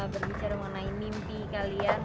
berbicara mengenai mimpi kalian